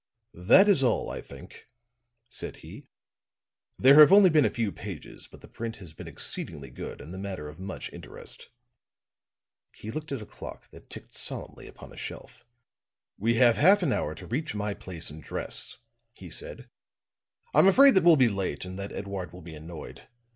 "That is all, I think," said he. "There have only been a few pages, but the print has been exceedingly good and the matter of much interest." He looked at a clock that ticked solemnly upon a shelf. "We have half an hour to reach my place and dress," he said. "I'm afraid that we'll be late, and that Edouard will be annoyed.